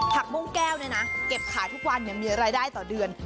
มุ่งแก้วเนี่ยนะเก็บขายทุกวันมีรายได้ต่อเดือน